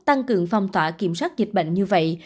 tăng cường phòng tỏa kiểm soát dịch bệnh như vậy